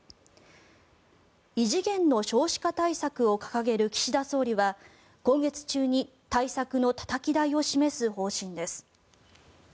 異次元の少子化対策を掲げる岸田総理は今月中に対策のたたき台を示す方針です。